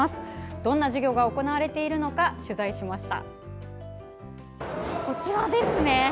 どんな授業が行われているのか取材してきました。